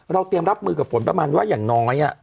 เตรียมรับมือกับฝนประมาณว่าอย่างน้อย